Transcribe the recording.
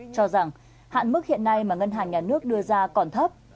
cho rằng hạn mức hiện nay mà ngân hàng nhà nước đưa ra còn thấp